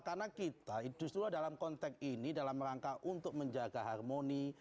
karena kita justru dalam konteks ini dalam rangka untuk menjaga harmoni